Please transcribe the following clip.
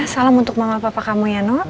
salam untuk mama papa kamu ya no